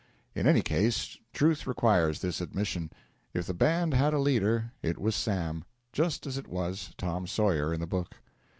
In any case, truth requires this admission. If the band had a leader, it was Sam, just as it was Tom Sawyer in the book.